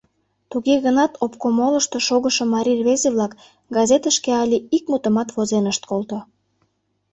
Туге гынат обкомолышто шогышо марий рвезе-влак газетышке але ик мутымат возен ышт колто.